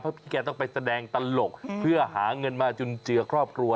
เพราะเพียงแกไปสแดงตลกเพื่อหาเงินมาจุดเจือครอบครัว